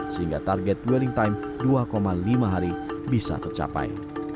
sehingga target dwelling time dua lima hari bisa tercapai